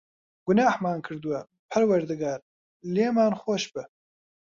گوناحمان کردووە، پەروەردگار، لێمان خۆشبە.